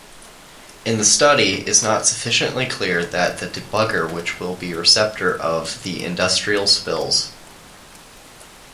In the study is not sufficiently clear that the debugger which will be receptor of the industrial spills.